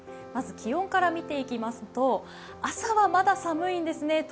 まず気温から見ていきますと朝はまだ寒いんですね。